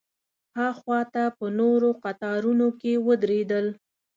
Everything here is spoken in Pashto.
ها خوا ته په نورو قطارونو کې ودرېدل.